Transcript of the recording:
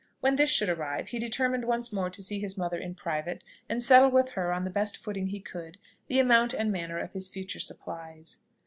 When this should arrive, he determined once more to see his mother in private, and settle with her, on the best footing he could, the amount and manner of his future supplies.